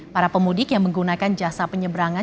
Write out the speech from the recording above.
para pemudik yang menggunakan jasa penyeberangan